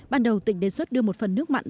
ban đầu tỉnh đề xuất đưa một phần nước mặn